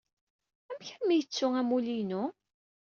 Amek armi ay yettu amulli-inu?